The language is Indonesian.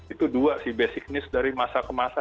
itu dua sih basic news dari masa ke masa